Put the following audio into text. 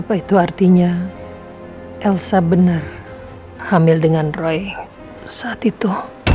apa itu artinya elsa benar hamil dengan roy saat itu